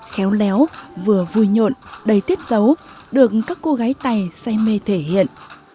khéo léo vừa vui nhộn đầy tiết dấu được các cô gái tày say mê thể hiện